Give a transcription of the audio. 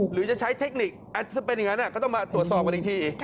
หรือจะใช้เทคนิคอาจจะเป็นอย่างนั้นก็ต้องมาตรวจสอบกันอีกที